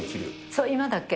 そう、今だけ。